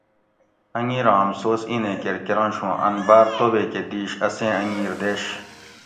انگیرا امسوس اینیں کیر کرنش اوں ان باۤر توبیکہ دیش اسی انگیر دیش